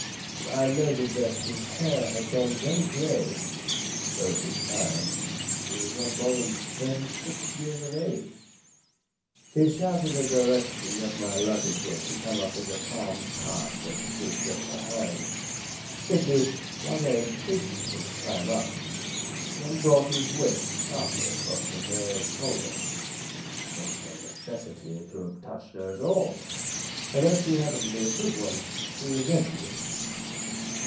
I noted that his hair had gone very grey, though at this time he was not more than thirty six years of age. He shouted a direction that my luggage was to come up in the farm cart that stood just behind, bid me rather impatiently to climb up, and brought his whip sharply across his mare's shoulder. There was no necessity to have touched her at all, and, as she happened to be a good one, she resented it.